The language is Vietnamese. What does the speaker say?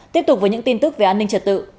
tiếp tục với những tin tức về an ninh trật tự